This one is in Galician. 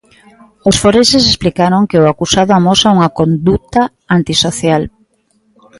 Os forenses explicaron que o acusado amosa unha conduta antisocial.